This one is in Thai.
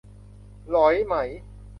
หรอยไหม